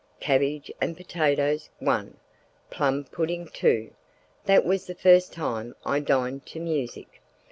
Cabbage and potatoes, one! Plum pudding, two!" (That was the first time I dined to music.)